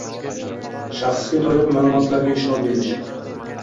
shaxsga doir ma’lumotlarga ishlov berish;